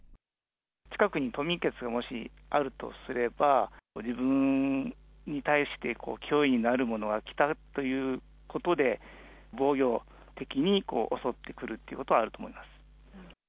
近くに冬眠穴がもしあるとすれば、自分に対して脅威になるものが来たということで、防御的に襲ってくるということはあると思います。